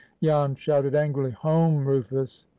Jan shouted angrily, "Home, Rufus!"